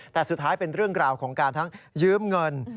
แต่สุดท้ายเป็นเรื่องราวของการทั้งยืมเงิน